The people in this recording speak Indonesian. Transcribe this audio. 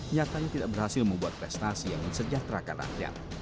nyatanya tidak berhasil membuat prestasi yang mensejahterakan rakyat